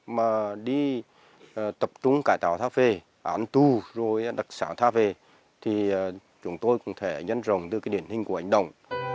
mà đi tập trung cải tạo tháp về án tu rồi đặc sản tháp về thì chúng tôi cũng thể nhấn rộng từ cái điện hình của anh đồng